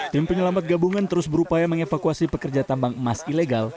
tim penyelamat gabungan terus berupaya mengevakuasi pekerja tambang emas ilegal